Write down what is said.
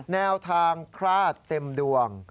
แนวทางพลาดเต็มดวง